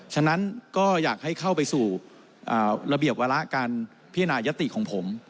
ฉะนั้นก็อยากให้เข้าไปสู่ระเบียบวาระการพิจารณายติของผม